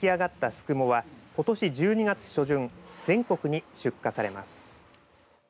すくもはことし１２月初旬全国に出荷されます。